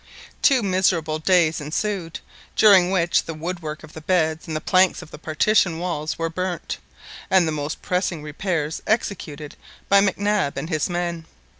Two miserable days ensued, during which the woodwork of the beds and the planks of the partition walls were burnt, and the most pressing repairs executed by Mac Nab and his men.